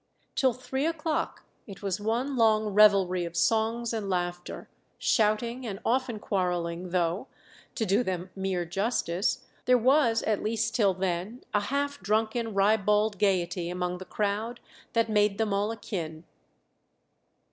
"Till three o'clock it was one long revelry of songs and laughter, shouting, and often quarrelling, though, to do them mere justice, there was at least till then a half drunken ribald gaiety among the crowd that made them all akin."